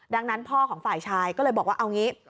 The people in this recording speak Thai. ดังนั้นพ่อของฝ่ายชายก็เลยบอกว่าเอางี้